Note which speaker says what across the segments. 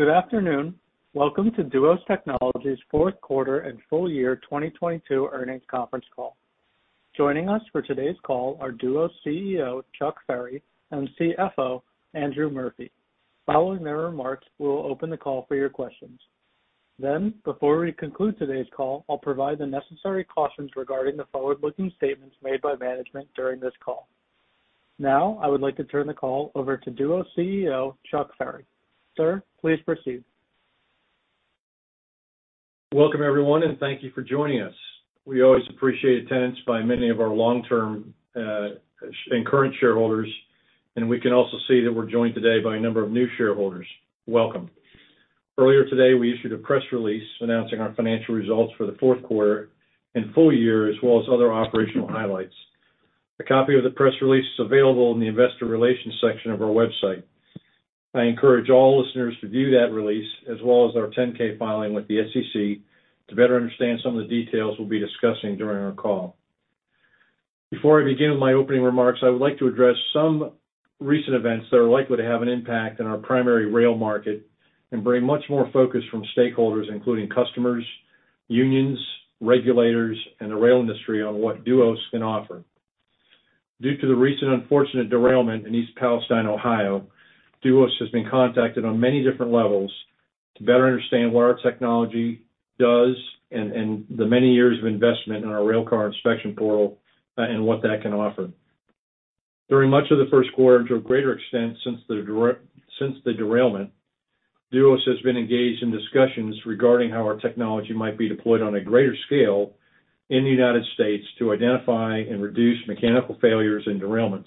Speaker 1: Good afternoon. Welcome to Duos Technologies fourth quarter and full year 2022 earnings conference call. Joining us for today's call are Duos CEO, Chuck Ferry, and CFO, Andrew Murphy. Following their remarks, we'll open the call for your questions. Before we conclude today's call, I'll provide the necessary cautions regarding the forward-looking statements made by management during this call. I would like to turn the call over to Duos CEO, Chuck Ferry. Sir, please proceed.
Speaker 2: Welcome, everyone, and thank you for joining us. We always appreciate attendance by many of our long-term and current shareholders, and we can also see that we're joined today by a number of new shareholders. Welcome. Earlier today, we issued a press release announcing our financial results for the fourth quarter and full year as well as other operational highlights. A copy of the press release is available in the investor relations section of our website. I encourage all listeners to view that release as well as our 10-K filing with the SEC to better understand some of the details we'll be discussing during our call. Before I begin with my opening remarks, I would like to address some recent events that are likely to have an impact on our primary rail market and bring much more focus from stakeholders, including customers, unions, regulators, and the rail industry on what Duos can offer. Due to the recent unfortunate derailment in East Palestine, Ohio, Duos has been contacted on many different levels to better understand what our technology does and the many years of investment in our Railcar Inspection Portal and what that can offer. During much of the first quarter, to a greater extent since the derailment, Duos has been engaged in discussions regarding how our technology might be deployed on a greater scale in the United States to identify and reduce mechanical failures and derailments.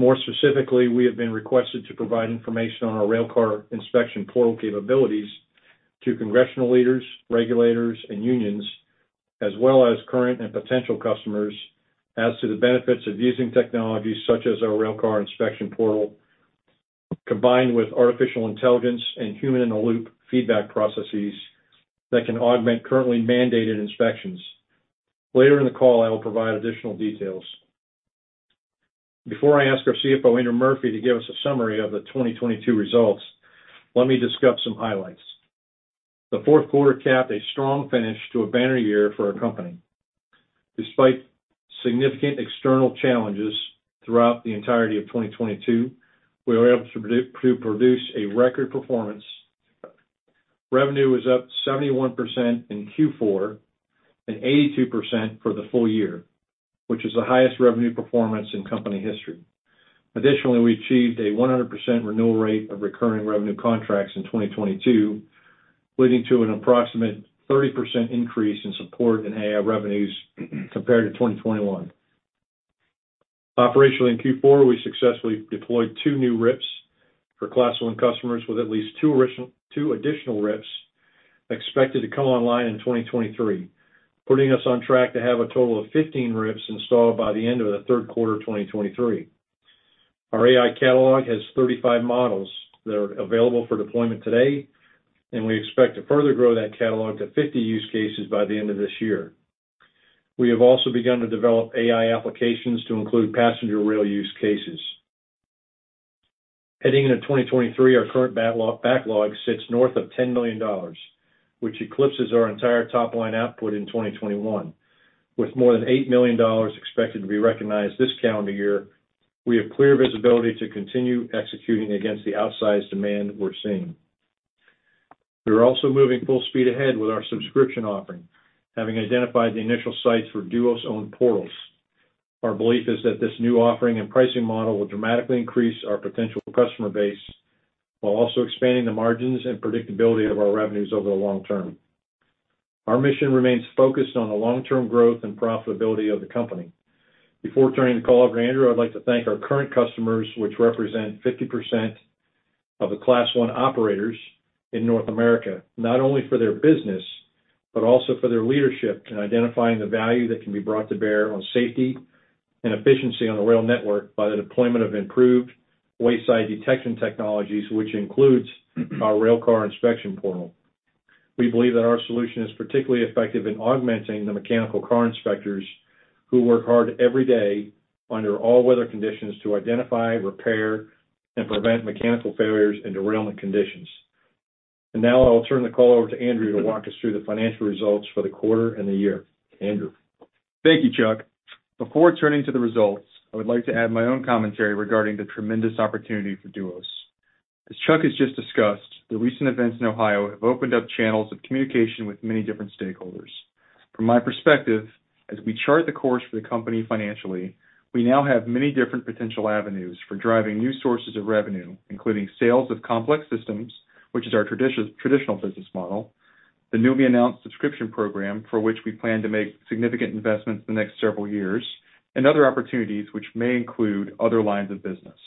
Speaker 2: More specifically, we have been requested to provide information on our Railcar Inspection Portal capabilities to congressional leaders, regulators, and unions, as well as current and potential customers as to the benefits of using technologies such as our Railcar Inspection Portal combined with artificial intelligence and human-in-the-loop feedback processes that can augment currently mandated inspections. Later in the call, I will provide additional details. Before I ask our CFO, Andrew Murphy, to give us a summary of the 2022 results, let me discuss some highlights. The fourth quarter capped a strong finish to a banner year for our company. Despite significant external challenges throughout the entirety of 2022, we were able to produce a record performance. Revenue was up 71% in Q4 and 82% for the full year, which is the highest revenue performance in company history. Additionally, we achieved a 100% renewal rate of recurring revenue contracts in 2022, leading to an approximate 30% increase in support in AI revenues compared to 2021. Operationally, in Q4, we successfully deployed 2 new RIPs for Class I customers with at least 2 additional RIPs expected to come online in 2023, putting us on track to have a total of 15 RIPs installed by the end of the third quarter 2023. Our AI catalog has 35 models that are available for deployment today. We expect to further grow that catalog to 50 use cases by the end of this year. We have also begun to develop AI applications to include passenger rail use cases. Heading into 2023, our current backlog sits north of $10 million, which eclipses our entire top-line output in 2021. With more than $8 million expected to be recognized this calendar year, we have clear visibility to continue executing against the outsized demand we're seeing. We're also moving full speed ahead with our subscription offering, having identified the initial sites for Duos-owned portals. Our belief is that this new offering and pricing model will dramatically increase our potential customer base while also expanding the margins and predictability of our revenues over the long term. Our mission remains focused on the long-term growth and profitability of the company. Before turning the call over to Andrew, I'd like to thank our current customers, which represent 50% of the Class 1 operators in North America, not only for their business, but also for their leadership in identifying the value that can be brought to bear on safety and efficiency on the rail network by the deployment of improved wayside detection technologies, which includes our Railcar Inspection Portal. We believe that our solution is particularly effective in augmenting the mechanical car inspectors who work hard every day under all weather conditions to identify, repair, and prevent mechanical failures and derailment conditions. Now I'll turn the call over to Andrew to walk us through the financial results for the quarter and the year. Andrew.
Speaker 3: Thank you, Chuck. Before turning to the results, I would like to add my own commentary regarding the tremendous opportunity for Duos. As Chuck has just discussed, the recent events in Ohio have opened up channels of communication with many different stakeholders. From my perspective, as we chart the course for the company financially, we now have many different potential avenues for driving new sources of revenue, including sales of complex systems, which is our traditional business model, the newly announced subscription program, for which we plan to make significant investments in the next several years, and other opportunities which may include other lines of business.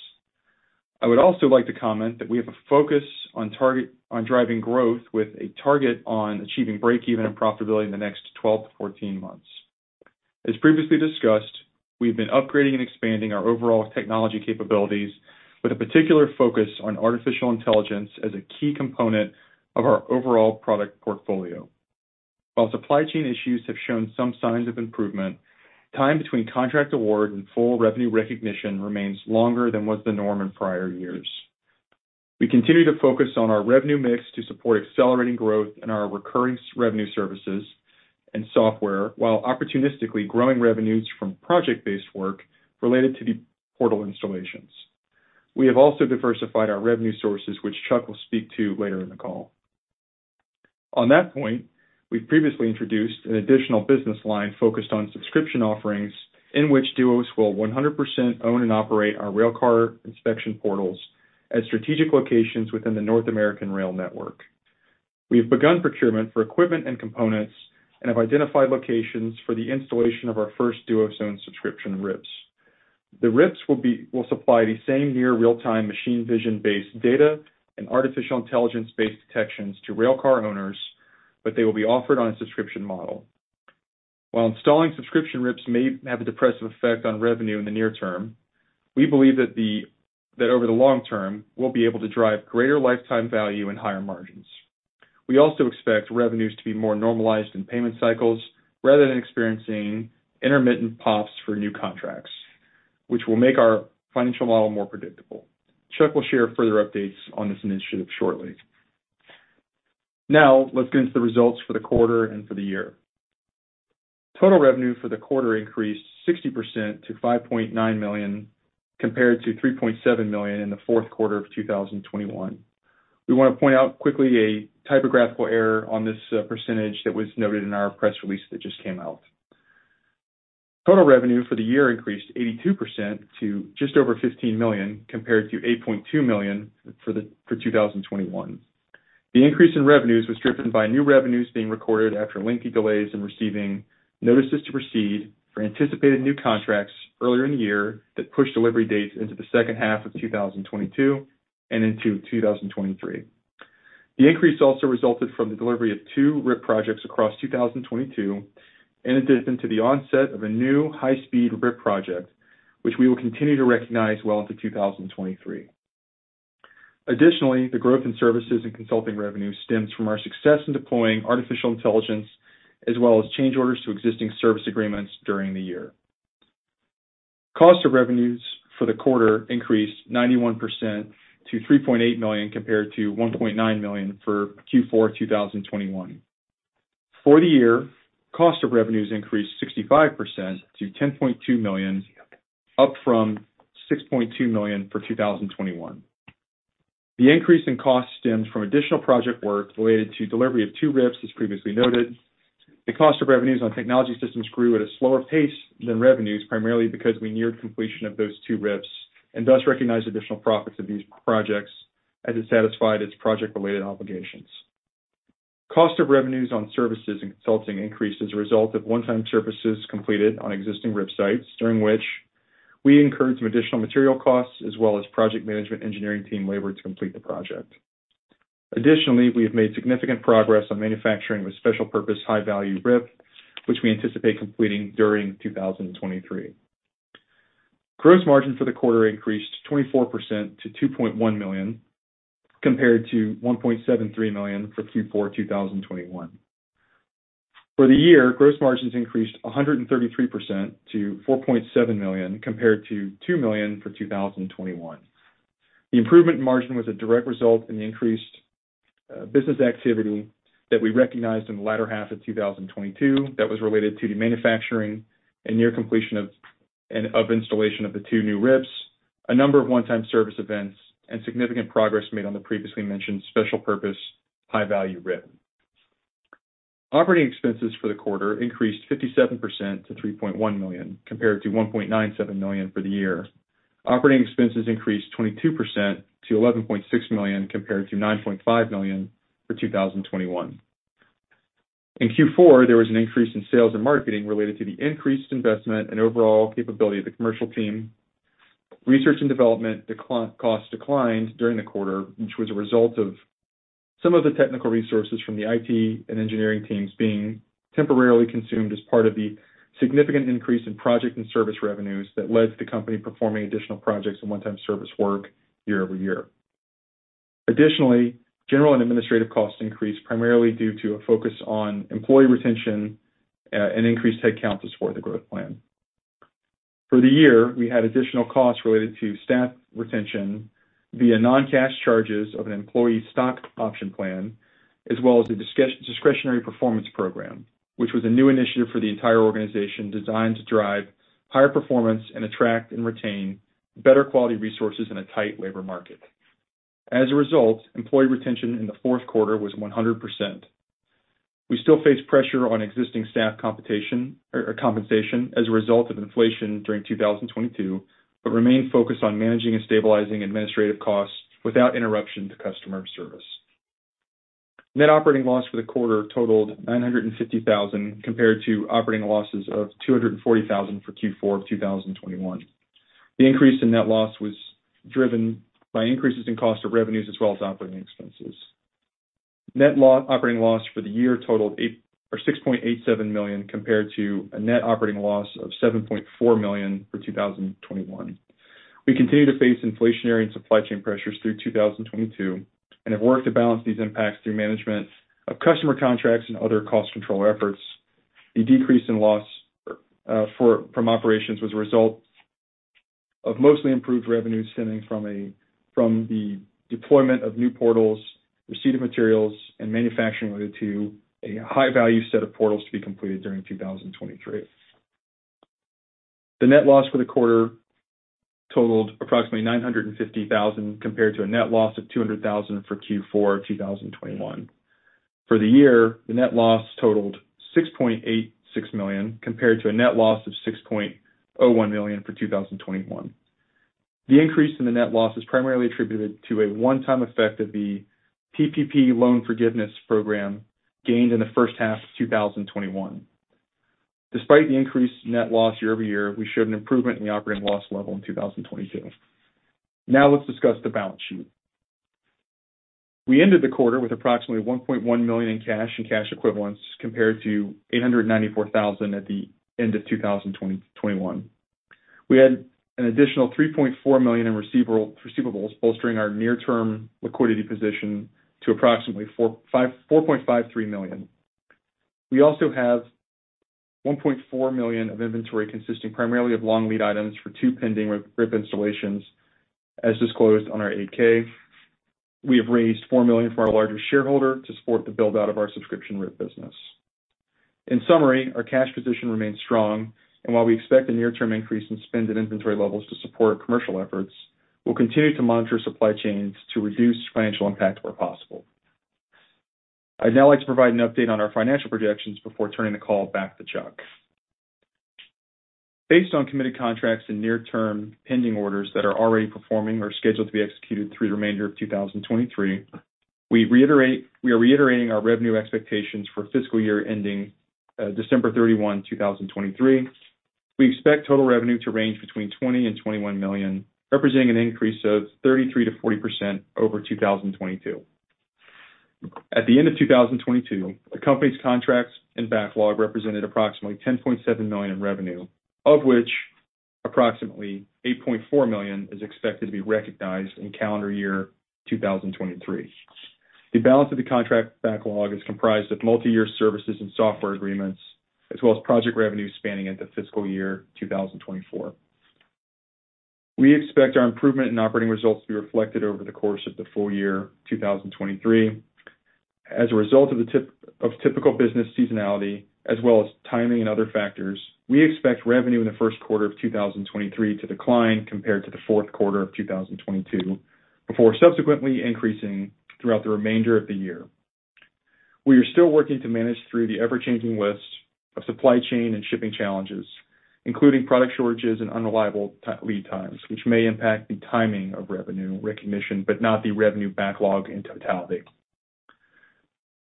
Speaker 3: I would also like to comment that we have a focus on driving growth with a target on achieving breakeven and profitability in the next 12-14 months. As previously discussed, we've been upgrading and expanding our overall technology capabilities with a particular focus on artificial intelligence as a key component of our overall product portfolio. While supply chain issues have shown some signs of improvement, time between contract award and full revenue recognition remains longer than was the norm in prior years. We continue to focus on our revenue mix to support accelerating growth in our recurring revenue services and software, while opportunistically growing revenues from project-based work related to the portal installations. We have also diversified our revenue sources, which Chuck Ferry will speak to later in the call. On that point, we've previously introduced an additional business line focused on subscription offerings in which Duos will 100% own and operate our Railcar Inspection Portals at strategic locations within the North American rail network. We have begun procurement for equipment and components and have identified locations for the installation of our first Duos own subscription RIPS. The RIPS will supply the same near real-time Machine Vision-based data and artificial intelligence-based detections to rail car owners, but they will be offered on a subscription model. While installing subscription RIPS may have a depressive effect on revenue in the near term, we believe that over the long term, we'll be able to drive greater lifetime value and higher margins. We also expect revenues to be more normalized in payment cycles rather than experiencing intermittent pops for new contracts, which will make our financial model more predictable. Chuck will share further updates on this initiative shortly. Let's get into the results for the quarter and for the year. Total revenue for the quarter increased 60% to $5.9 million, compared to $3.7 million in the fourth quarter of 2021. We wanna point out quickly a typographical error on this percentage that was noted in our press release that just came out. Total revenue for the year increased 82% to just over $15 million, compared to $8.2 million for 2021. The increase in revenues was driven by new revenues being recorded after lengthy delays in receiving notices to proceed for anticipated new contracts earlier in the year that pushed delivery dates into the second half of 2022 and into 2023. The increase also resulted from the delivery of 2 RIP projects across 2022, in addition to the onset of a new high-speed RIP project, which we will continue to recognize well into 2023. Additionally, the growth in services and consulting revenue stems from our success in deploying artificial intelligence, as well as change orders to existing service agreements during the year. Cost of revenues for the quarter increased 91% to $3.8 million, compared to $1.9 million for Q4 2021. For the year, cost of revenues increased 65% to $10.2 million, up from $6.2 million for 2021. The increase in cost stemmed from additional project work related to delivery of 2 RIPs, as previously noted. The cost of revenues on technology systems grew at a slower pace than revenues, primarily because we neared completion of those 2 RIPs and thus recognized additional profits of these projects as it satisfied its project-related obligations. Cost of revenues on services and consulting increased as a result of one-time services completed on existing RIP sites, during which we incurred some additional material costs as well as project management engineering team labor to complete the project. Additionally, we have made significant progress on manufacturing with special purpose high value RIP, which we anticipate completing during 2023. Gross margin for the quarter increased 24% to $2.1 million, compared to $1.73 million for Q4 2021. For the year, gross margins increased 133% to $4.7 million, compared to $2 million for 2021. The improvement in margin was a direct result in the increased business activity that we recognized in the latter half of 2022 that was related to the manufacturing and near completion of installation of the two new RIPS, a number of one-time service events, and significant progress made on the previously mentioned special purpose high value RIP. Operating expenses for the quarter increased 57% to $3.1 million, compared to $1.97 million for the year. Operating expenses increased 22% to $11.6 million, compared to $9.5 million for 2021. In Q4, there was an increase in sales and marketing related to the increased investment and overall capability of the commercial team. Research and development cost declined during the quarter, which was a result of some of the technical resources from the IT and engineering teams being temporarily consumed as part of the significant increase in project and service revenues that led to the company performing additional projects and one-time service work year-over-year. Additionally, general and administrative costs increased primarily due to a focus on employee retention and increased headcounts to support the growth plan. For the year, we had additional costs related to staff retention via non-cash charges of an employee stock option plan, as well as the discretionary performance program, which was a new initiative for the entire organization designed to drive higher performance and attract and retain better quality resources in a tight labor market. As a result, employee retention in the fourth quarter was 100%. We still face pressure on existing staff computation, compensation as a result of inflation during 2022. Remain focused on managing and stabilizing administrative costs without interruption to customer service. Net operating loss for the quarter totaled $950,000, compared to operating losses of $240,000 for Q4 of 2021. The increase in net loss was driven by increases in cost of revenues as well as operating expenses. Net operating loss for the year totaled $6.87 million, compared to a net operating loss of $7.4 million for 2021. We continue to face inflationary and supply chain pressures through 2022, have worked to balance these impacts through management of customer contracts and other cost control efforts. The decrease in loss from operations was a result of mostly improved revenue stemming from the deployment of new portals, receipt of materials, and manufacturing related to a high value set of portals to be completed during 2023. The net loss for the quarter totaled approximately $950,000, compared to a net loss of $200,000 for Q4 2021. For the year, the net loss totaled $6.86 million, compared to a net loss of $6.01 million for 2021. The increase in the net loss is primarily attributed to a one-time effect of the PPP loan forgiveness program gained in the first half of 2021. Despite the increased net loss year-over-year, we showed an improvement in the operating loss level in 2022. Now let's discuss the balance sheet. We ended the quarter with approximately $1.1 million in cash and cash equivalents compared to $894,000 at the end of 2021. We had an additional $3.4 million in receivables bolstering our near-term liquidity position to approximately $4.53 million. We also have $1.4 million of inventory consisting primarily of long lead items for two pending RIP installations, as disclosed on our 8-K. We have raised $4 million from our larger shareholder to support the build-out of our subscription RIP business. In summary, our cash position remains strong, and while we expect a near-term increase in spend and inventory levels to support commercial efforts, we'll continue to monitor supply chains to reduce financial impact where possible. I'd now like to provide an update on our financial projections before turning the call back to Chuck. Based on committed contracts and near-term pending orders that are already performing or scheduled to be executed through the remainder of 2023, we are reiterating our revenue expectations for fiscal year ending December 31, 2023. We expect total revenue to range between $20 million and $21 million, representing an increase of 33%-40% over 2022. At the end of 2022, the company's contracts and backlog represented approximately $10.7 million in revenue, of which approximately $8.4 million is expected to be recognized in calendar year 2023. The balance of the contract backlog is comprised of multi-year services and software agreements, as well as project revenue spanning into fiscal year 2024. We expect our improvement in operating results to be reflected over the course of the full year 2023. As a result of typical business seasonality as well as timing and other factors, we expect revenue in the first quarter of 2023 to decline compared to the fourth quarter of 2022, before subsequently increasing throughout the remainder of the year. We are still working to manage through the ever-changing lists of supply chain and shipping challenges, including product shortages and unreliable lead times, which may impact the timing of revenue recognition, but not the revenue backlog in totality.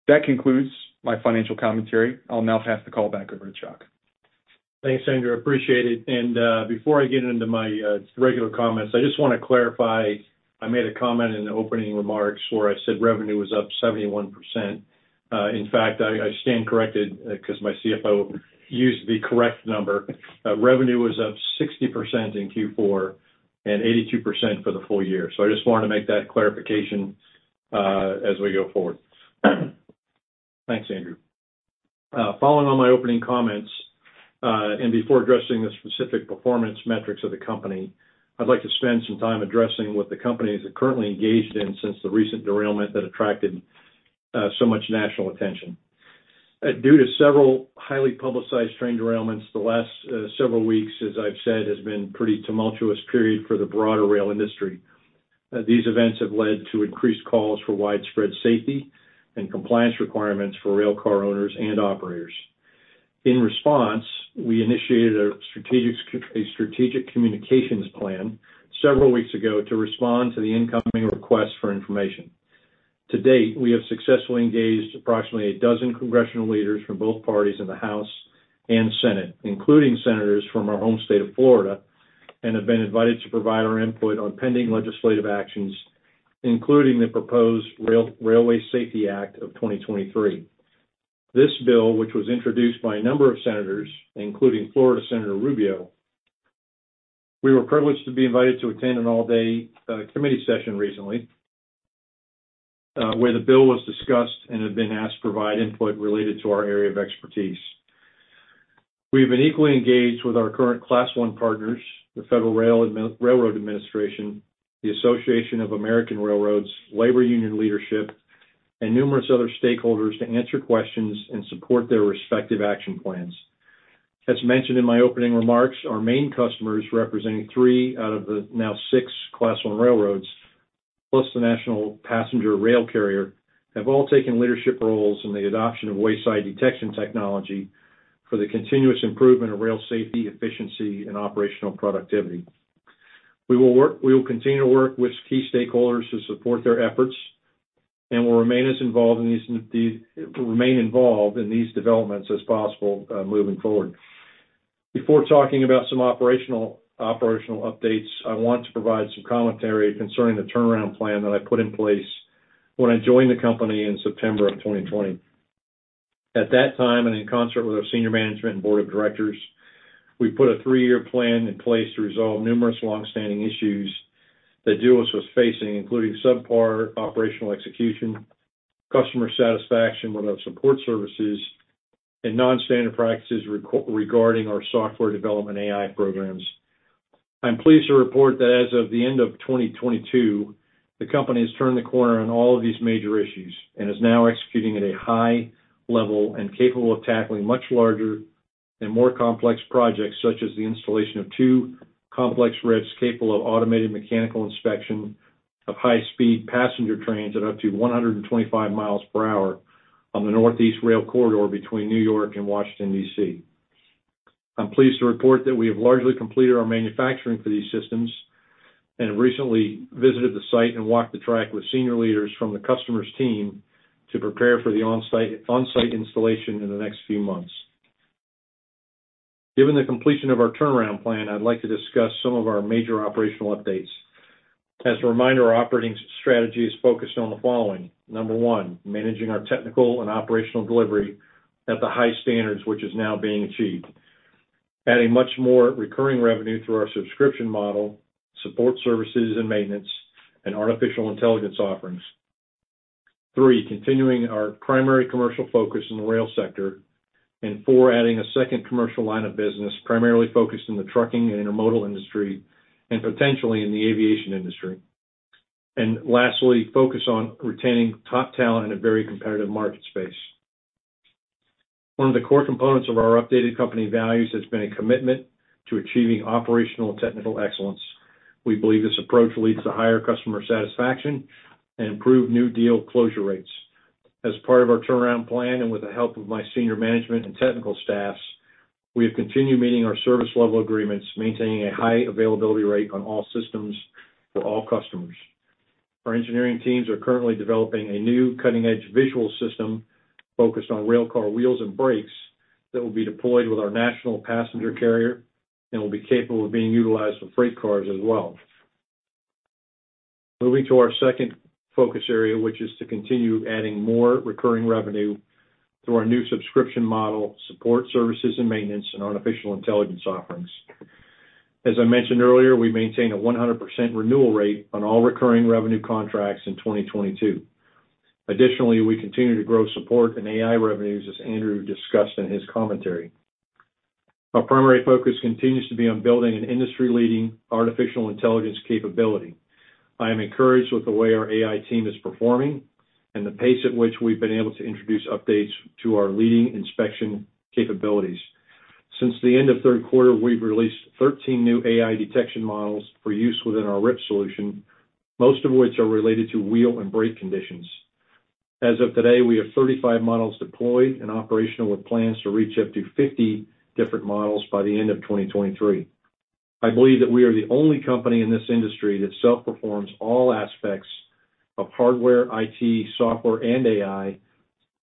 Speaker 3: That concludes my financial commentary. I'll now pass the call back over to Chuck.
Speaker 2: Thanks, Andrew. Appreciate it. Before I get into my regular comments, I just wanna clarify, I made a comment in the opening remarks where I said revenue was up 71%. In fact, I stand corrected, 'cause my CFO used the correct number. Revenue was up 60% in Q4 and 82% for the full year. I just wanted to make that clarification as we go forward. Thanks, Andrew. Following on my opening comments, and before addressing the specific performance metrics of the company, I'd like to spend some time addressing what the company is currently engaged in since the recent derailment that attracted so much national attention. Due to several highly publicized train derailments the last several weeks, as I've said, has been pretty tumultuous period for the broader rail industry. These events have led to increased calls for widespread safety and compliance requirements for rail car owners and operators. In response, we initiated a strategic communications plan several weeks ago to respond to the incoming requests for information. To date, we have successfully engaged approximately 12 congressional leaders from both parties in the House and Senate, including senators from our home state of Florida, and have been invited to provide our input on pending legislative actions, including the proposed Railway Safety Act of 2023. This bill, which was introduced by a number of senators, including Florida Senator Rubio, we were privileged to be invited to attend an all-day committee session recently, where the bill was discussed and have been asked to provide input related to our area of expertise. We've been equally engaged with our current Class 1 partners, the Federal Railroad Administration, the Association of American Railroads, labor union leadership, and numerous other stakeholders to answer questions and support their respective action plans. As mentioned in my opening remarks, our main customers representing three out of the now six Class 1 railroads, plus the national passenger rail carrier, have all taken leadership roles in the adoption of wayside detection technology for the continuous improvement of rail safety, efficiency, and operational productivity. We will continue to work with key stakeholders to support their efforts and will remain involved in these developments as possible, moving forward. Before talking about some operational updates, I want to provide some commentary concerning the turnaround plan that I put in place when I joined the company in September of 2020. At that time, in concert with our senior management and board of directors, we put a three-year plan in place to resolve numerous long-standing issues that Duos was facing, including subpar operational execution, customer satisfaction with our support services, and non-standard practices regarding our software development AI programs. I'm pleased to report that as of the end of 2022, the company has turned the corner on all of these major issues and is now executing at a high level and capable of tackling much larger and more complex projects, such as the installation of 2 complex RIPS capable of automated mechanical inspection of high-speed passenger trains at up to 125 miles per hour on the Northeast rail corridor between New York and Washington, D.C. I'm pleased to report that we have largely completed our manufacturing for these systems and have recently visited the site and walked the track with senior leaders from the customer's team to prepare for the on-site installation in the next few months. Given the completion of our turnaround plan, I'd like to discuss some of our major operational updates. As a reminder, our operating strategy is focused on the following. 1, managing our technical and operational delivery at the high standards which is now being achieved. Adding much more recurring revenue through our subscription model, support services and maintenance, and Artificial Intelligence offerings. 3, continuing our primary commercial focus in the rail sector. 4, adding a second commercial line of business primarily focused in the trucking and intermodal industry and potentially in the aviation industry. Lastly, focus on retaining top talent in a very competitive market space. 1 of the core components of our updated company values has been a commitment to achieving operational and technical excellence. We believe this approach leads to higher customer satisfaction and improved new deal closure rates. As part of our turnaround plan, with the help of my senior management and technical staffs, we have continued meeting our service level agreements, maintaining a high availability rate on all systems for all customers. Our engineering teams are currently developing a new cutting-edge visual system focused on railcar wheels and brakes that will be deployed with our national passenger carrier and will be capable of being utilized for freight cars as well. Moving to our second focus area, which is to continue adding more recurring revenue through our new subscription model, support services and maintenance, and artificial intelligence offerings. As I mentioned earlier, we maintain a 100% renewal rate on all recurring revenue contracts in 2022. Additionally, we continue to grow support and AI revenues, as Andrew discussed in his commentary. Our primary focus continues to be on building an industry-leading artificial intelligence capability. I am encouraged with the way our AI team is performing and the pace at which we've been able to introduce updates to our leading inspection capabilities. Since the end of third quarter, we've released 13 new AI detection models for use within our RIPS solution, most of which are related to wheel and brake conditions. As of today, we have 35 models deployed and operational, with plans to reach up to 50 different models by the end of 2023. I believe that we are the only company in this industry that self-performs all aspects of hardware, IT, software, and AI,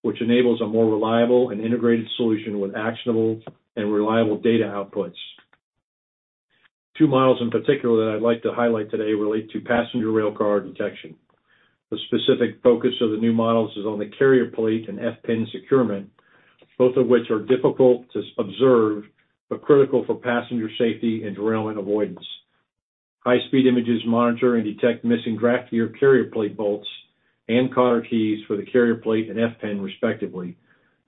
Speaker 2: which enables a more reliable and integrated solution with actionable and reliable data outputs. Two models in particular that I'd like to highlight today relate to passenger rail car detection. The specific focus of the new models is on the carrier plate and F-pin securement, both of which are difficult to observe, but critical for passenger safety and derailment avoidance. High-speed images monitor and detect missing draft gear carrier plate bolts and cotter keys for the carrier plate and F-pin respectively,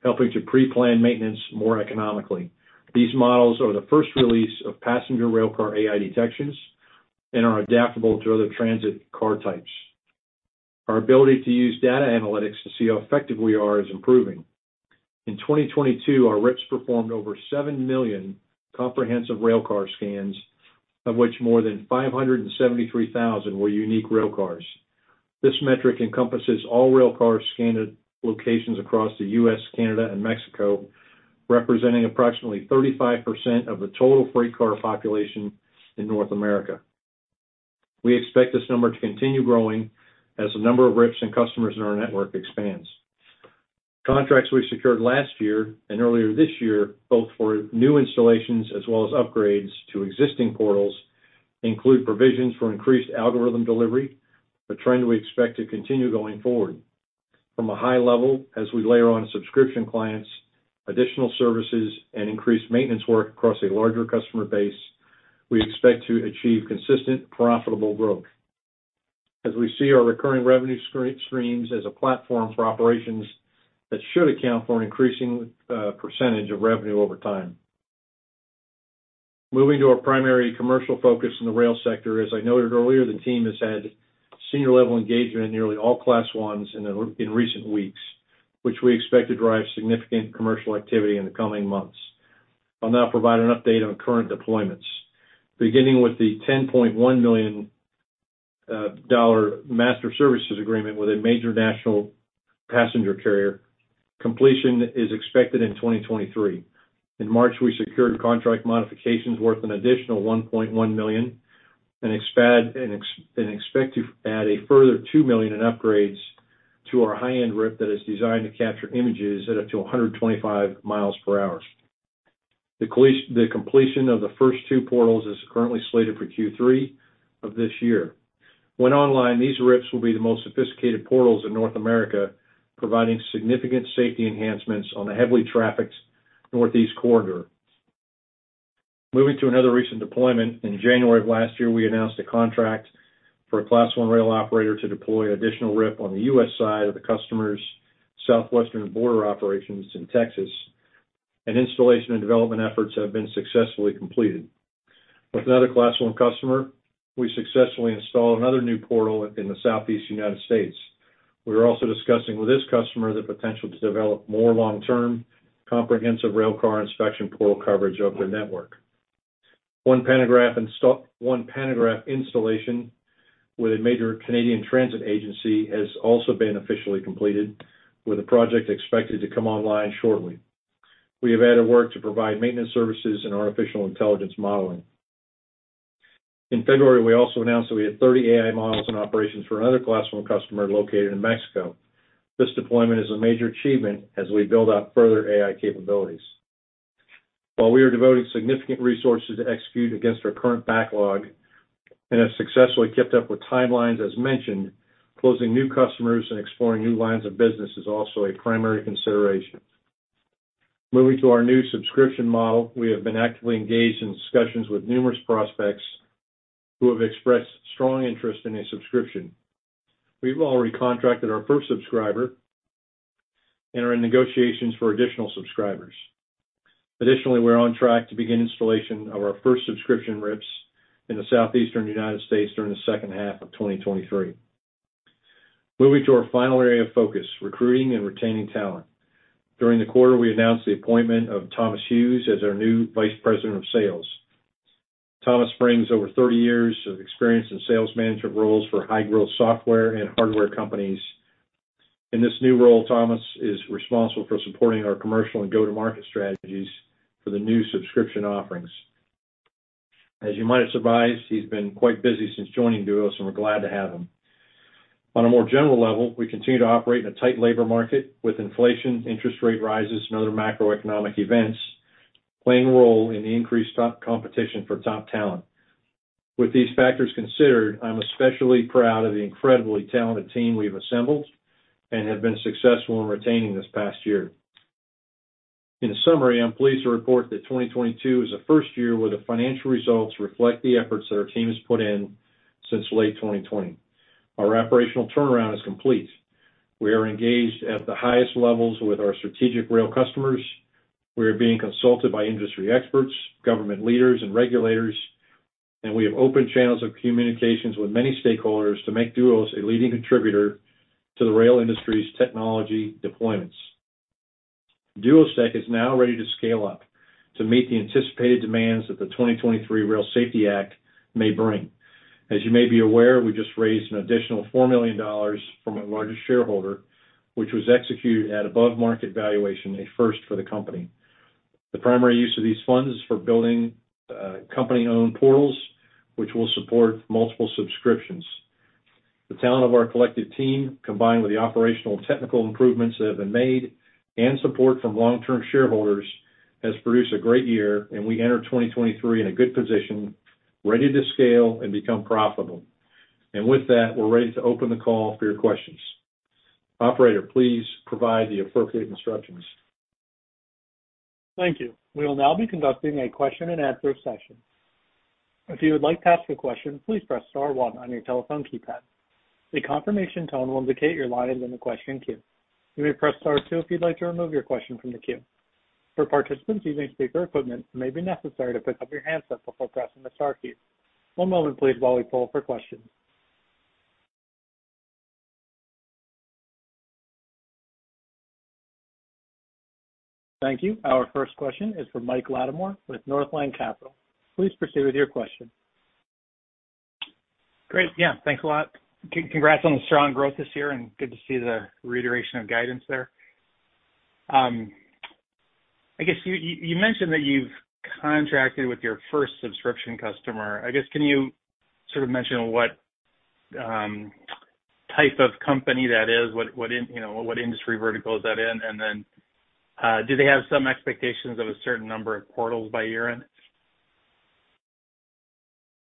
Speaker 2: helping to preplan maintenance more economically. These models are the first release of passenger rail car AI detections and are adaptable to other transit car types. Our ability to use data analytics to see how effective we are is improving. In 2022, our RIPS performed over 7 million comprehensive rail car scans, of which more than 573,000 were unique rail cars. This metric encompasses all rail cars scanned at locations across the U.S., Canada, and Mexico, representing approximately 35% of the total freight car population in North America. We expect this number to continue growing as the number of RIPS and customers in our network expands. Contracts we secured last year and earlier this year, both for new installations as well as upgrades to existing portals, include provisions for increased algorithm delivery, a trend we expect to continue going forward. From a high level, as we layer on subscription clients, additional services, and increase maintenance work across a larger customer base, we expect to achieve consistent profitable growth as we see our recurring revenue streams as a platform for operations that should account for an increasing percentage of revenue over time. Moving to our primary commercial focus in the rail sector, as I noted earlier, the team has had senior-level engagement in nearly all Class Is in recent weeks, which we expect to drive significant commercial activity in the coming months. I'll now provide an update on current deployments. Beginning with the $10.1 million Master Services Agreement with a major national passenger carrier, completion is expected in 2023. In March, we secured contract modifications worth an additional $1.1 million and expect to add a further $2 million in upgrades to our high-end RIP that is designed to capture images at up to 125 miles per hour. The completion of the first 2 portals is currently slated for Q3 of this year. When online, these RIPS will be the most sophisticated portals in North America, providing significant safety enhancements on the heavily trafficked Northeast Corridor. Moving to another recent deployment, in January of last year, we announced a contract for a Class 1 rail operator to deploy additional RIP on the U.S. side of the customer's Southwestern border operations in Texas. Installation and development efforts have been successfully completed. With another Class 1 customer, we successfully installed another new portal in the Southeast United States. We are also discussing with this customer the potential to develop more long-term, comprehensive Railcar Inspection Portal coverage of their network. One pantograph installation with a major Canadian transit agency has also been officially completed, with the project expected to come online shortly. We have added work to provide maintenance services and AI modeling. In February, we also announced that we had 30 AI models in operations for another Class 1 customer located in Mexico. This deployment is a major achievement as we build out further AI capabilities. We are devoting significant resources to execute against our current backlog and have successfully kept up with timelines as mentioned, closing new customers and exploring new lines of business is also a primary consideration. Moving to our new subscription model, we have been actively engaged in discussions with numerous prospects who have expressed strong interest in a subscription. We've already contracted our first subscriber and are in negotiations for additional subscribers. We're on track to begin installation of our first subscription RIPS in the Southeastern United States during the second half of 2023. Moving to our final area of focus, recruiting and retaining talent. During the quarter, we announced the appointment of Thomas Hughes as our new Vice President of Sales. Thomas brings over 30 years of experience in sales management roles for high-growth software and hardware companies. In this new role, Thomas is responsible for supporting our commercial and go-to-market strategies for the new subscription offerings. As you might have surmised, he's been quite busy since joining Duos, and we're glad to have him. On a more general level, we continue to operate in a tight labor market with inflation, interest rate rises, and other macroeconomic events playing a role in the increased competition for top talent. With these factors considered, I'm especially proud of the incredibly talented team we've assembled and have been successful in retaining this past year. In summary, I'm pleased to report that 2022 is the first year where the financial results reflect the efforts that our team has put in since late 2020. Our operational turnaround is complete. We are engaged at the highest levels with our strategic rail customers. We are being consulted by industry experts, government leaders, and regulators. We have open channels of communications with many stakeholders to make Duos a leading contributor to the rail industry's technology deployments. Duos is now ready to scale up to meet the anticipated demands that the 2023 Railway Safety Act may bring. As you may be aware, we just raised an additional $4 million from our largest shareholder, which was executed at above-market valuation, a first for the company. The primary use of these funds is for building company-owned portals which will support multiple subscriptions. The talent of our collective team, combined with the operational and technical improvements that have been made and support from long-term shareholders, has produced a great year, we enter 2023 in a good position, ready to scale and become profitable. With that, we're ready to open the call for your questions. Operator, please provide the appropriate instructions.
Speaker 1: Thank you. We will now be conducting a question and answer session. If you would like to ask a question, please press star one on your telephone keypad. A confirmation tone will indicate your line is in the question queue. You may press star two if you'd like to remove your question from the queue. For participants using speaker equipment, it may be necessary to pick up your handset before pressing the star key. One moment please while we poll for questions. Thank you. Our first question is from Mike Latimore with Northland Capital. Please proceed with your question.
Speaker 4: Great. Yeah, thanks a lot. Congrats on the strong growth this year, good to see the reiteration of guidance there. I guess you mentioned that you've contracted with your first subscription customer. I guess, can you sort of mention what type of company that is? What industry vertical is that in? Then, do they have some expectations of a certain number of portals by year-end?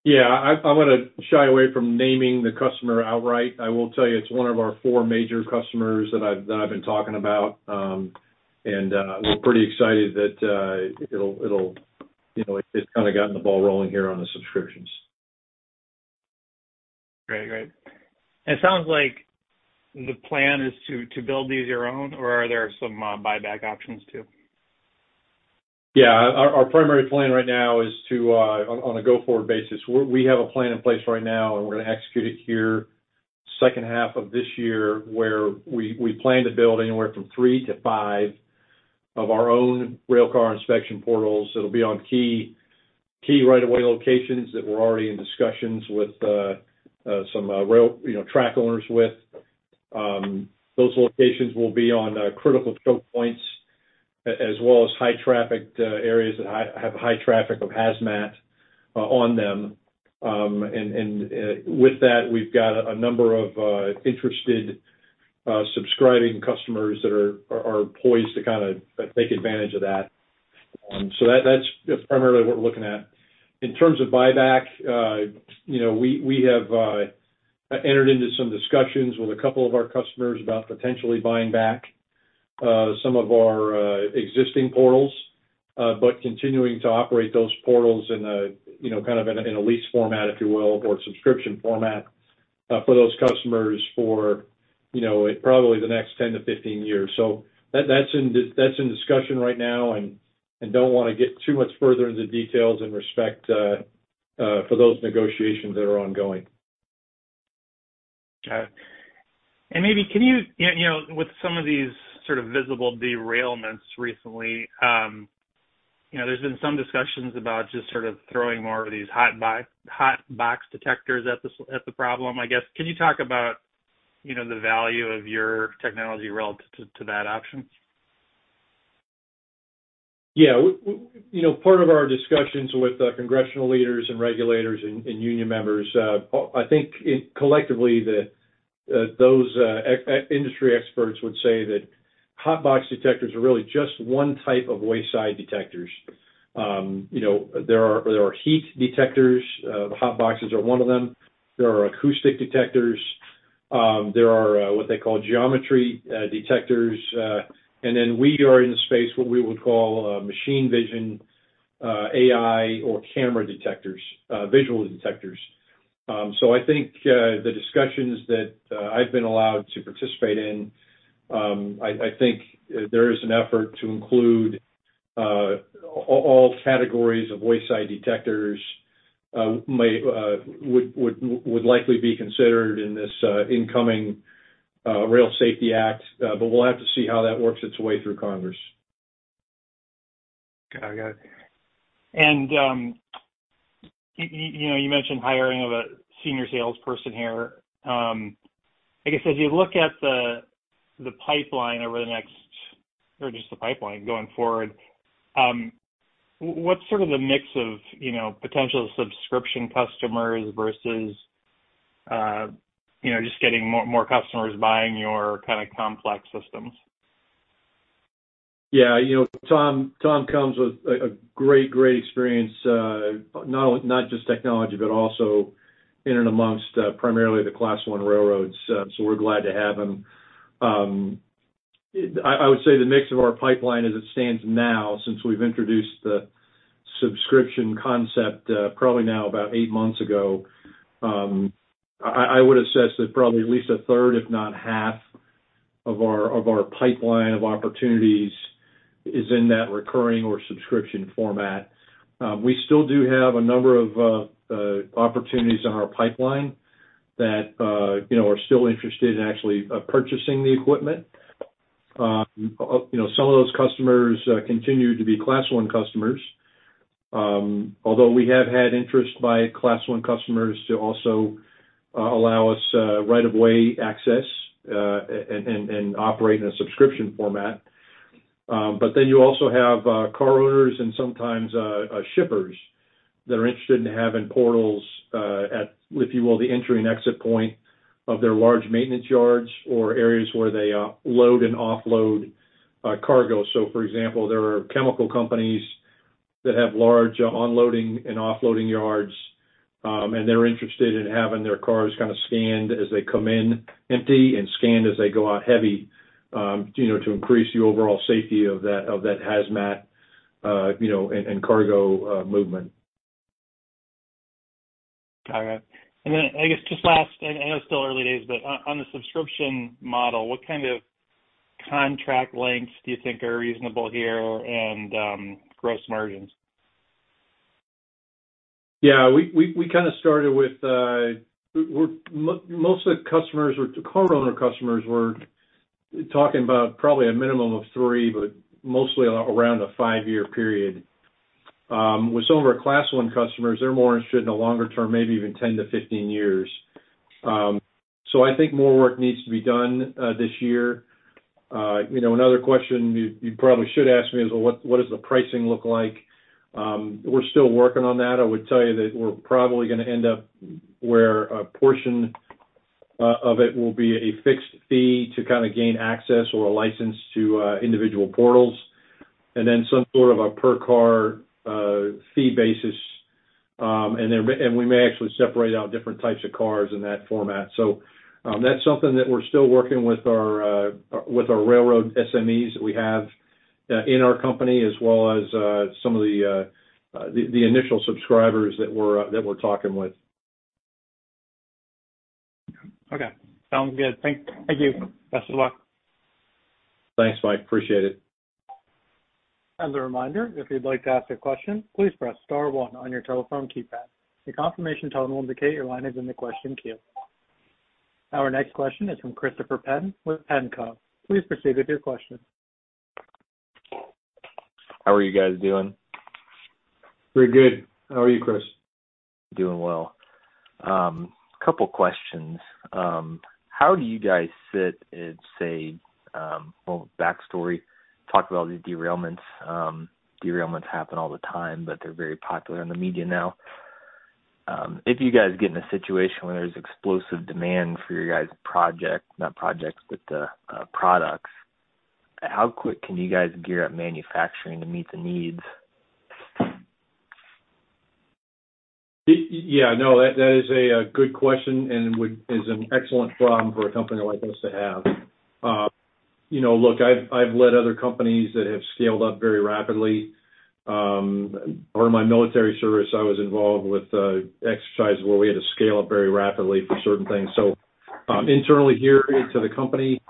Speaker 2: I wanna shy away from naming the customer outright. I will tell you it's one of our four major customers that I've been talking about. We're pretty excited that it'll. You know, it's kinda gotten the ball rolling here on the subscriptions.
Speaker 4: Great. Great. It sounds like the plan is to build these your own, or are there some buyback options too?
Speaker 2: Yeah. Our primary plan right now is to on a go-forward basis, we have a plan in place right now, and we're gonna execute it here second half of this year, where we plan to build anywhere from 3 to 5 of our own Railcar Inspection Portals that'll be on key right-of-way locations that we're already in discussions with some rail, you know, track owners with. Those locations will be on critical choke points as well as high-trafficked areas that have high traffic of hazmat on them. With that, we've got a number of interested subscribing customers that are poised to kinda take advantage of that. That's primarily what we're looking at. In terms of buyback, you know, we have entered into some discussions with a couple of our customers about potentially buying back some of our existing portals, but continuing to operate those portals in a, you know, kind of in a lease format, if you will, or subscription format for those customers for, you know, probably the next 10 to 15 years. That's in discussion right now, and I don't wanna get too much further into details in respect for those negotiations that are ongoing.
Speaker 4: Okay. You know, with some of these sort of visible derailments recently, you know, there's been some discussions about just sort of throwing more of these hot box detectors at the problem, I guess. Can you talk about, you know, the value of your technology relative to that option?
Speaker 2: Yeah. you know, part of our discussions with the congressional leaders and regulators and union members, I think it collectively that those industry experts would say that hot box detectors are really just one type of wayside detectors. you know, there are heat detectors, the hot boxes are one of them. There are acoustic detectors. There are what they call geometry detectors. Then we are in the space, what we would call Machine Vision, AI or camera detectors, visual detectors. I think the discussions that I've been allowed to participate in, I think there is an effort to include all categories of wayside detectors, would likely be considered in this incoming Rail Safety Act, but we'll have to see how that works its way through Congress.
Speaker 4: Okay, got it. You know, you mentioned hiring of a senior salesperson here. I guess as you look at the pipeline over the next or just the pipeline going forward, what's sort of the mix of, you know, potential subscription customers versus, you know, just getting more customers buying your kind of complex systems?
Speaker 2: You know, Tom comes with a great experience, not just technology, but also in and amongst primarily the Class 1 railroads. We're glad to have him. I would say the mix of our pipeline as it stands now since we've introduced the subscription concept, probably now about eight months ago, I would assess that probably at least a third, if not half of our pipeline of opportunities is in that recurring or subscription format. We still do have a number of opportunities in our pipeline that, you know, are still interested in actually purchasing the equipment. You know, some of those customers continue to be Class 1 customers, although we have had interest by Class 1 customers to also allow us right of way access and operate in a subscription format. You also have car owners and sometimes shippers that are interested in having portals at, if you will, the entry and exit point of their large maintenance yards or areas where they load and offload cargo. For example, there are chemical companies that have large onloading and offloading yards, and they're interested in having their cars kinda scanned as they come in empty and scanned as they go out heavy, you know, to increase the overall safety of that, of that hazmat, you know, and cargo movement.
Speaker 4: All right. I guess just last, and I know it's still early days, but on the subscription model, what kind of contract lengths do you think are reasonable here and, gross margins?
Speaker 2: We kinda started with most of the car owner customers were talking about probably a minimum of three, but mostly around a five-year period. With some of our Class 1 customers, they're more interested in the longer term, maybe even 10-15 years. I think more work needs to be done this year. You know, another question you probably should ask me is, well, what does the pricing look like? We're still working on that. I would tell you that we're probably gonna end up where a portion of it will be a fixed fee to kinda gain access or a license to individual portals, and then some sort of a per car fee basis. We may actually separate out different types of cars in that format. That's something that we're still working with our railroad SMEs that we have in our company, as well as some of the initial subscribers that we're talking with.
Speaker 4: Okay. Sounds good. Thank you. Best of luck.
Speaker 2: Thanks, Mike. Appreciate it.
Speaker 1: As a reminder, if you'd like to ask a question, please press star one on your telephone keypad. A confirmation tone will indicate your line is in the question queue. Our next question is from Christopher Penn with PennCo. Please proceed with your question.
Speaker 5: How are you guys doing?
Speaker 2: We're good. How are you, Christopher?
Speaker 5: Doing well. Couple questions. How do you guys sit and say. Well, backstory, talk about all these derailments. Derailments happen all the time, but they're very popular in the media now. If you guys get in a situation where there's explosive demand for your guys' project, not projects, but products, how quick can you guys gear up manufacturing to meet the needs?
Speaker 2: Yeah. That is a good question and is an excellent problem for a company like us to have. You know, look, I've led other companies that have scaled up very rapidly. Over my military service, I was involved with exercises where we had to scale up very rapidly for certain things. Internally here to the company,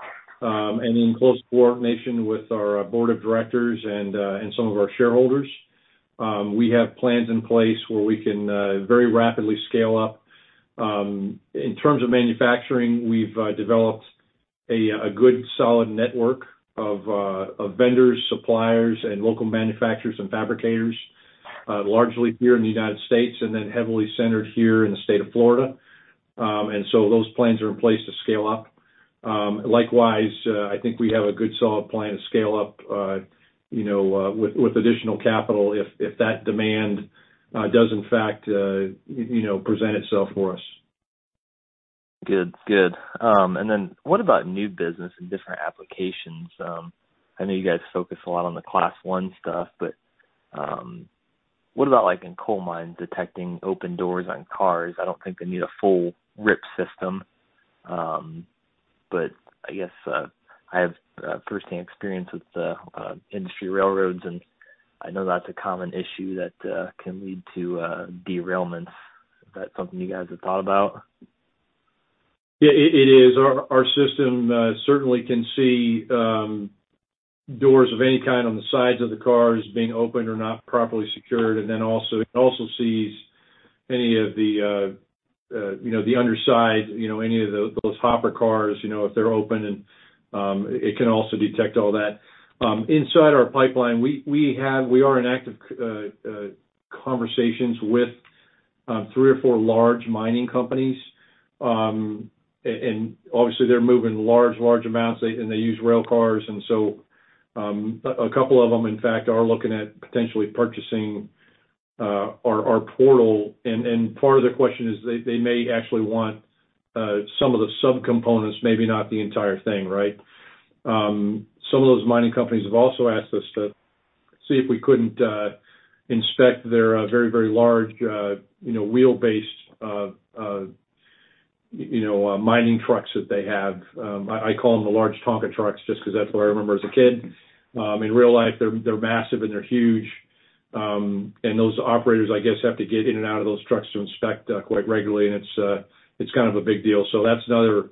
Speaker 2: and in close coordination with our board of directors and some of our shareholders, we have plans in place where we can very rapidly scale up. In terms of manufacturing, we've developed a good solid network of vendors, suppliers, and local manufacturers and fabricators, largely here in the United States and then heavily centered here in the state of Florida. Those plans are in place to scale up. Likewise, I think we have a good solid plan to scale up, you know, with additional capital if that demand, does in fact, you know, present itself for us.
Speaker 5: Good. Good. What about new business and different applications? I know you guys focus a lot on the Class 1 stuff, but what about like in coal mine detecting open doors on cars? I don't think they need a full RIP system. I guess, I have first-hand experience with the industry railroads, and I know that's a common issue that can lead to derailments. Is that something you guys have thought about?
Speaker 2: Yeah, it is. Our system certainly can see doors of any kind on the sides of the cars being open or not properly secured. It also sees any of the, you know, the underside, you know, any of those hopper cars, you know, if they're open and it can also detect all that. Inside our pipeline, we are in active conversations with 3 or 4 large mining companies. Obviously they're moving large amounts, and they use rail cars. A couple of them, in fact, are looking at potentially purchasing our portal. Part of their question is they may actually want some of the subcomponents, maybe not the entire thing, right? Some of those mining companies have also asked us to see if we couldn't inspect their very, very large, you know, wheel-based, you know, mining trucks that they have. I call them the large Tonka trucks just 'cause that's what I remember as a kid. In real life, they're massive and they're huge. Those operators, I guess, have to get in and out of those trucks to inspect quite regularly, and it's kind of a big deal. That's another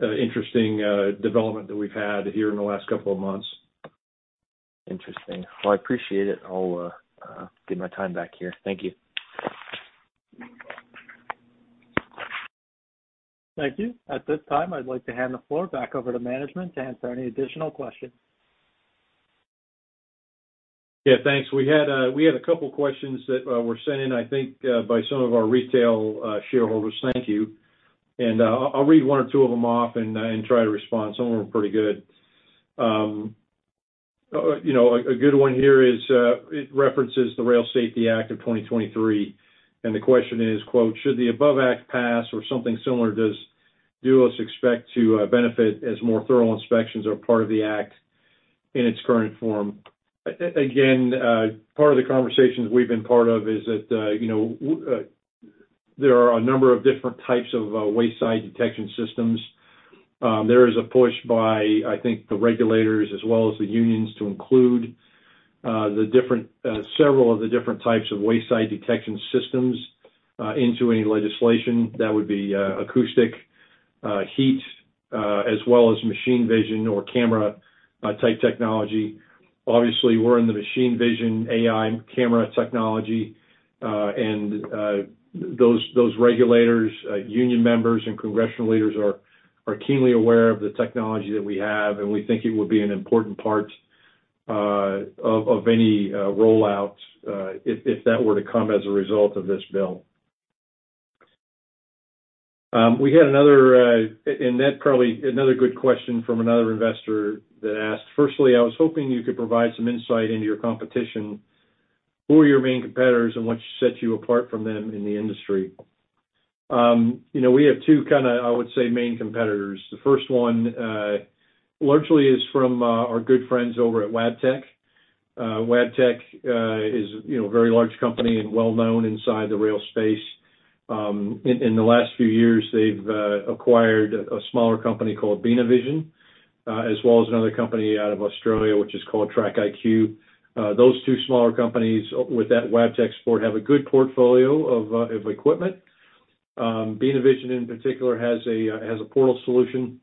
Speaker 2: interesting development that we've had here in the last couple of months.
Speaker 5: Interesting. Well, I appreciate it. I'll give my time back here. Thank you.
Speaker 1: Thank you. At this time, I'd like to hand the floor back over to management to answer any additional questions.
Speaker 2: Yeah, thanks. We had, we had a couple questions that were sent in, I think, by some of our retail shareholders. Thank you. I'll read one or two of them off and try to respond. Some of them are pretty good. You know, a good one here is, it references the Rail Safety Act of 2023, and the question is, quote, "Should the above act pass or something similar, does Duos expect to benefit as more thorough inspections are part of the act in its current form?" Again, part of the conversations we've been part of is that, you know, there are a number of different types of wayside detection systems. There is a push by, I think, the regulators as well as the unions to include the different, several of the different types of wayside detection systems into any legislation that would be acoustic, heat, as well as Machine Vision or camera type technology. Obviously, we're in the Machine Vision, AI, camera technology, and those regulators, union members and congressional leaders are keenly aware of the technology that we have, and we think it would be an important part of any rollout, if that were to come as a result of this bill. We had another, and that probably another good question from another investor that asked: "Firstly, I was hoping you could provide some insight into your competition. Who are your main competitors, and what sets you apart from them in the industry?" you know, we have two kinda, I would say, main competitors. The first one, largely is from, our good friends over at Wabtec. Wabtec is, you know, a very large company and well-known inside the rail space. in the last few years, they've acquired a smaller company called Beena Vision, as well as another company out of Australia, which is called Track IQ. Those two smaller companies with that Wabtec support have a good portfolio of equipment. Beena Vision in particular has a portal solution.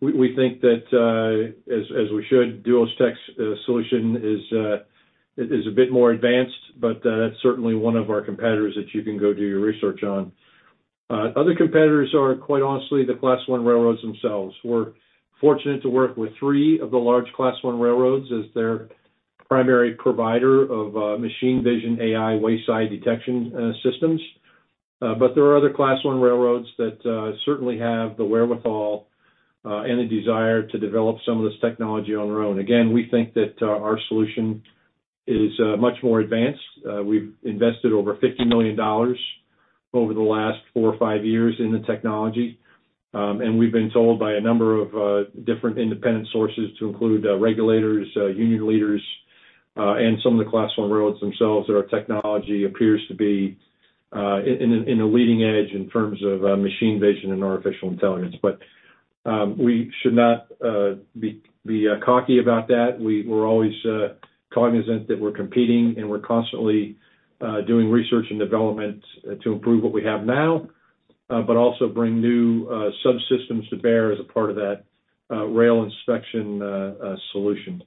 Speaker 2: We think that as we should, DuosTech's solution is a bit more advanced, that's certainly one of our competitors that you can go do your research on. Other competitors are, quite honestly, the Class 1 railroads themselves. We're fortunate to work with 3 of the large Class 1 railroads as their primary provider of Machine Vision AI wayside detection systems. There are other Class 1 railroads that certainly have the wherewithal and the desire to develop some of this technology on their own. Again, we think that our solution is much more advanced. We've invested over $50 million over the last 4 or 5 years in the technology. We've been told by a number of different independent sources to include regulators, union leaders, and some of the Class 1 railroads themselves that our technology appears to be in a leading edge in terms of machine vision and artificial intelligence. We should not be cocky about that. We're always cognizant that we're competing, and we're constantly doing research and development to improve what we have now, but also bring new subsystems to bear as a part of that rail inspection solution.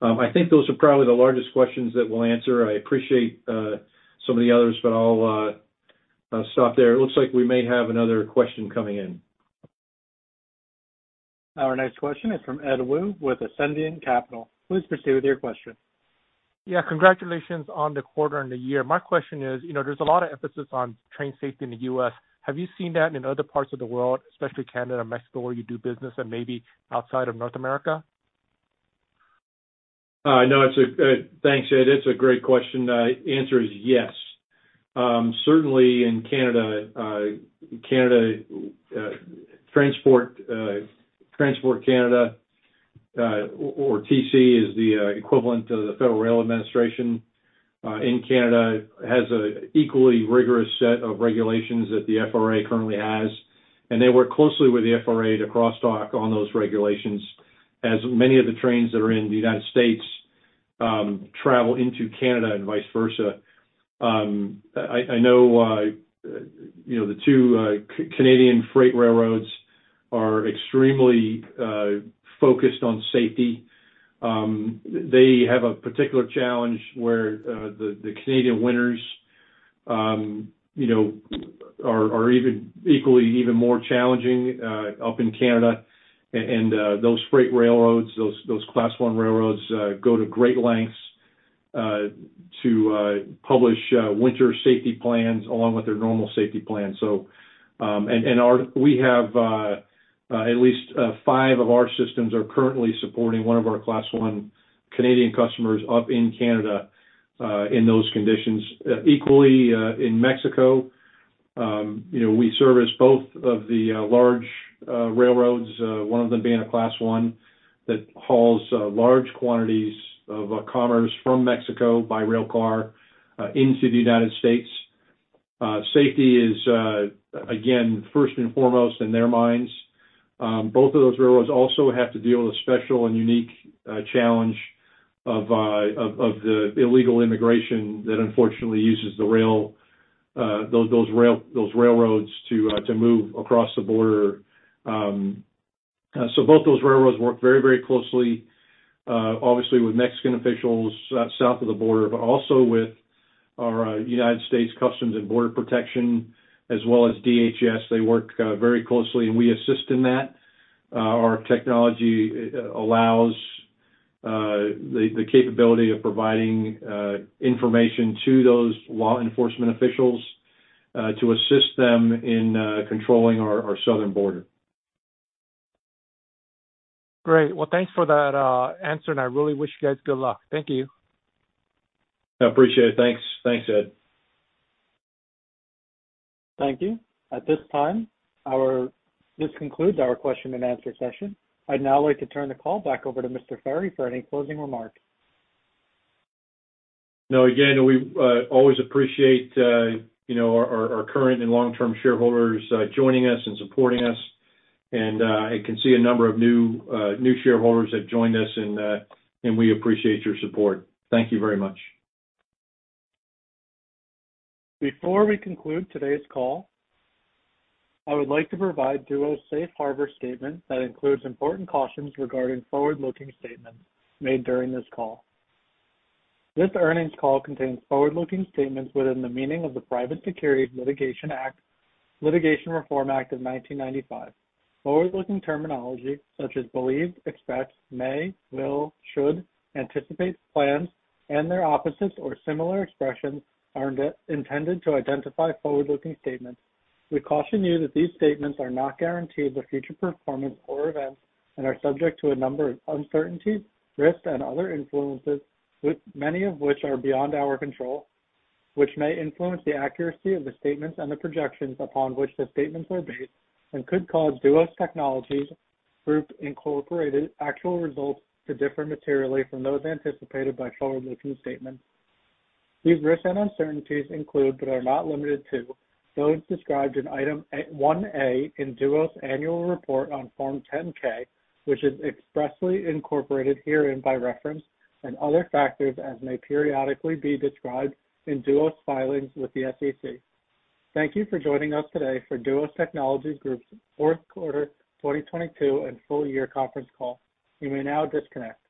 Speaker 2: I think those are probably the largest questions that we'll answer. I appreciate some of the others. I'll stop there. It looks like we may have another question coming in.
Speaker 1: Our next question is from Edward Woo with Ascendiant Capital. Please proceed with your question.
Speaker 6: Congratulations on the quarter and the year. My question is, you know, there's a lot of emphasis on train safety in the U.S. Have you seen that in other parts of the world, especially Canada and Mexico, where you do business and maybe outside of North America?
Speaker 2: No, thanks, Ed. Answer is yes. Certainly in Canada Transport Canada, or TC is the equivalent of the Federal Railroad Administration in Canada, has a equally rigorous set of regulations that the FRA currently has. They work closely with the FRA to crosstalk on those regulations, as many of the trains that are in the United States travel into Canada and vice versa. I know, you know, the two Canadian freight railroads are extremely focused on safety. They have a particular challenge where the Canadian winters, you know, are equally even more challenging up in Canada. Those freight railroads, those Class 1 railroads, go to great lengths to publish winter safety plans along with their normal safety plans, so. We have at least five of our systems are currently supporting one of our Class 1 Canadian customers up in Canada in those conditions. Equally, in Mexico, you know, we service both of the large railroads, one of them being a Class 1 that hauls large quantities of commerce from Mexico by railcar into the United States. Safety is again, first and foremost in their minds. Both of those railroads also have to deal with a special and unique challenge of the illegal immigration that unfortunately uses those railroads to move across the border. Both those railroads work very closely obviously with Mexican officials south of the border, but also with our U.S. Customs and Border Protection as well as DHS. They work very closely, and we assist in that. Our technology allows the capability of providing information to those law enforcement officials to assist them in controlling our southern border.
Speaker 6: Great. Well, thanks for that answer. I really wish you guys good luck. Thank you.
Speaker 2: I appreciate it. Thanks. Thanks, Ed.
Speaker 1: Thank you. At this time, this concludes our question and answer session. I'd now like to turn the call back over to Mr. Ferry for any closing remarks.
Speaker 2: No, again, we always appreciate, you know, our current and long-term shareholders joining us and supporting us. I can see a number of new shareholders have joined us, and we appreciate your support. Thank you very much.
Speaker 1: Before we conclude today's call, I would like to provide Duos' Safe Harbor statement that includes important cautions regarding forward-looking statements made during this call. This earnings call contains forward-looking statements within the meaning of the Private Securities Litigation Reform Act of 1995. Forward-looking terminology such as believe, expects, may, will, should, anticipates, plans, and their opposites or similar expressions are intended to identify forward-looking statements. We caution you that these statements are not guarantees of future performance or events and are subject to a number of uncertainties, risks, and other influences, many of which are beyond our control, which may influence the accuracy of the statements and the projections upon which the statements are based and could cause Duos Technologies Group Incorporated actual results to differ materially from those anticipated by forward-looking statements. These risks and uncertainties include, but are not limited to, those described in item 1A in Duos' annual report on Form 10-K, which is expressly incorporated herein by reference and other factors as may periodically be described in Duos' filings with the SEC. Thank you for joining us today for Duos Technologies Group's fourth quarter 2022 and full year conference call. You may now disconnect.